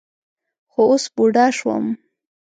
خو اوس بوډا شوم.